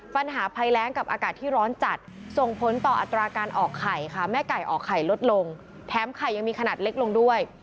ปัญหาภัยแรงกับอากาศที่ร้อนจัดส่งผลต่ออัตราการออกไข่ค่ะแม่ไก่ออกไข่ลดลงแถมไข่ยังมีขนาดเล็กลงด้วย